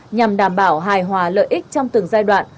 nhằm đảm bảo hài hòa lợi ích trong từng giai đoạn